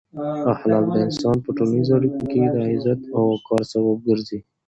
اخلاق د انسان په ټولنیزو اړیکو کې د عزت او وقار سبب ګرځي.